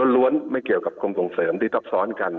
ล้วนไม่เกี่ยวกับกรมส่งเสริมที่ทับซ้อนกัน